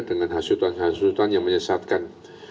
dengan hasutan hasutan yang menyesatkan